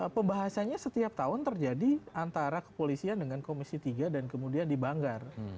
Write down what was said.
pembahasannya setiap tahun terjadi antara kepolisian dengan komisi tiga dan kemudian dibanggar